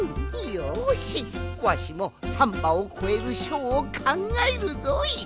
よしわしもサンバをこえるショーをかんがえるぞい！